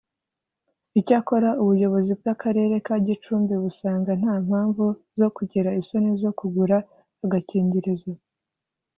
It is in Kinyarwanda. Icyakora ubuyobozi bw’Akarere ka Gicumbi busanga nta mpamvu zo kugira isoni zo kugura agakingirizo